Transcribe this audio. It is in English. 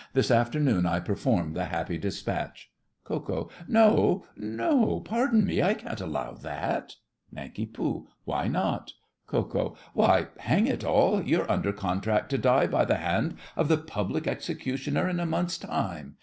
This afternoon I perform the Happy Despatch. KO. No, no—pardon me—I can't allow that. NANK. Why not? KO. Why, hang it all, you're under contract to die by the hand of the Public Executioner in a month's time!